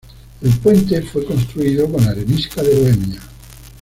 El puente fue construido con arenisca de Bohemia.